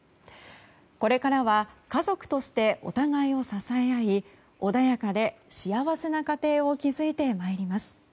これからは家族としてお互いを支え合い穏やかで幸せな家庭を築いてまいります。